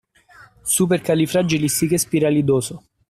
Supercalifragilistichespiralidoso.